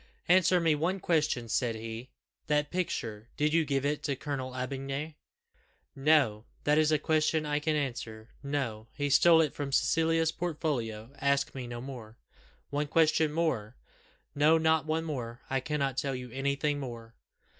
"Answer me one question," said he: "that picture did you give it to Colonel D'Aubigny?" "No. That is a question I can answer. No he stole it from Cecilia's portfolio. Ask me no more." "One question more " "No, not one more I cannot tell you anything more."